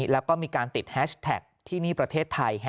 แล้วก็มีการติดแฮชแท็กที่นี่ประเทศไทย